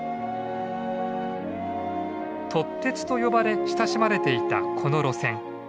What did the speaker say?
「とってつ」と呼ばれ親しまれていたこの路線。